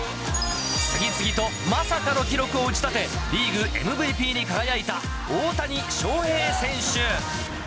次々とまさかの記録を打ち立て、リーグＭＶＰに輝いた大谷翔平選手。